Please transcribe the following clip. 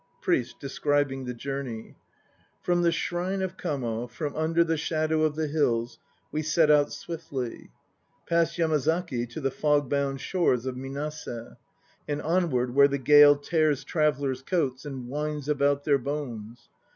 PRIEST (describing the journey). From the shrine of Kamo, From under the shadow of the hills, We set out swiftly; Past Yamazaki to the fog bound Shores of Minase; And onward where the gale Tears travellers' coats and winds about their bones.